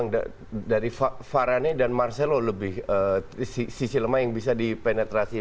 saya lebih melihat memang dari varane dan marcelo lebih sisi lemah yang bisa dipenetrasi